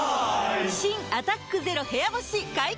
新「アタックＺＥＲＯ部屋干し」解禁‼